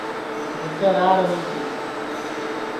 جس سے راڑ ہوئی تی